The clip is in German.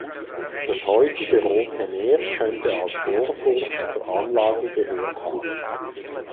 Das heutige "Rote Meer" könnte als Vorburg zur Anlage gehört haben.